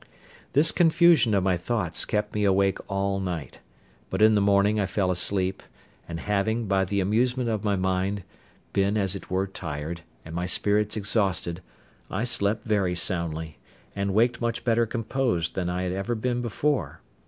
This confusion of my thoughts kept me awake all night; but in the morning I fell asleep; and having, by the amusement of my mind, been as it were tired, and my spirits exhausted, I slept very soundly, and waked much better composed than I had ever been before.